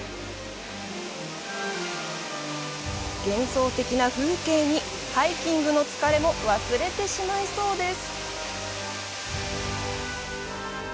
幻想的な風景に、ハイキングの疲れも忘れてしまいそうです。